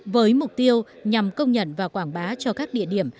với mục tiêu nhằm công nhận và quảng bá cho các địa điểm